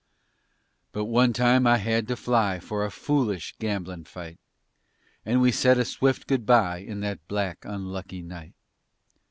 But one time I had to fly For a foolish gamblin' fight, And we said a swift goodbye In that black, unlucky night.